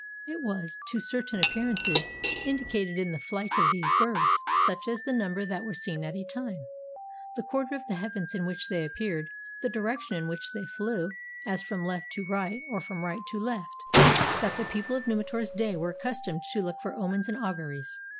It was, to certain appearances, indicated in the flight of these birds — such as the number that were seen at a time, the quarter of the heavens in which they ap peared, the direction in which they flew, as from left to right or from right to left — that the people of Numi tor's day were accustomed to look for omens and au guries.